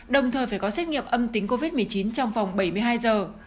đồng thời phải có xét nghiệm âm tính covid một mươi chín trong vòng bảy mươi hai giờ